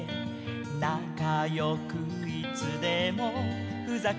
「なかよくいつでもふざけていた」